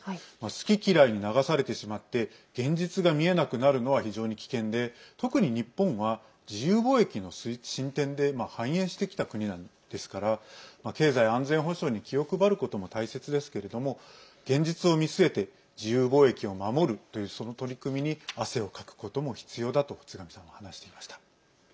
好き嫌いに流されてしまって現実が見えなくなるのは非常に危険で特に日本は自由貿易の進展で繁栄してきた国なんですから経済安全保障に気を配ることも大切ですけれども現実を見据えて自由貿易を守るというその取り組みに汗をかくことも必要だと津上さんは話していました。